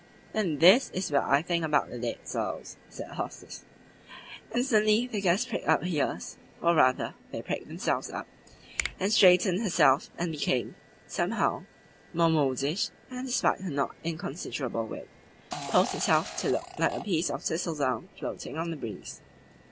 "Then THIS is what I think about the dead souls," said the hostess. Instantly the guest pricked up her ears (or, rather, they pricked themselves up) and straightened herself and became, somehow, more modish, and, despite her not inconsiderable weight, posed herself to look like a piece of thistledown floating on the breeze.